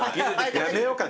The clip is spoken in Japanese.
やめようか。